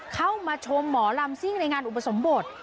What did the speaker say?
เข้ามาชมหมอลำซิ่งในงานอุปสมบท